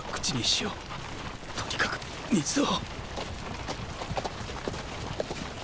とにかく水を。